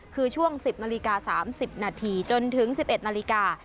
คือช่วง๑๐นาฬิกา๓๐นาทีจนถึง๑๑นาฬิกา